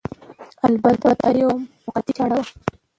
البته دا یوه موقتي چاره وه